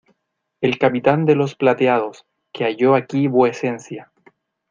el capitán de los plateados, que halló aquí vuecencia.